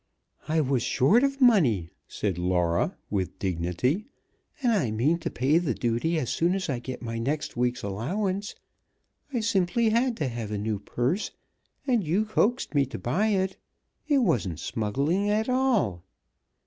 "I was short of money," said Laura with dignity, "and I mean to pay the duty as soon as I get my next week's allowance. I simply had to have a new purse, and you coaxed me to buy it. It wasn't smuggling at all."